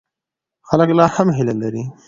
خلک لا هم هیله لري.